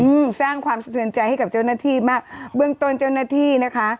อืมสร้างความสะเทือนใจให้กับเจ้าหน้าที่มากเบื้องต้นเจ้าหน้าที่นะคะ